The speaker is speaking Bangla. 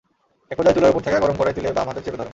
একপর্যায়ে চুলার ওপর থাকা গরম কড়াই তুলে বাম হাতে চেপে ধরেন।